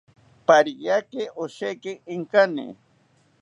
Pariaki osheki inkani